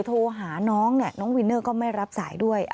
โทรหาน้องน้องวินเนอร์ก็ไม่รับสายด้วย